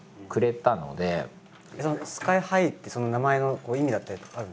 「ＳＫＹ−ＨＩ」ってその名前の意味だったりとかあるんですか？